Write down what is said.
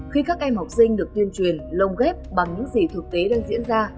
khi các em học sinh được tuyên truyền lồng ghép bằng những gì thực tế đang diễn ra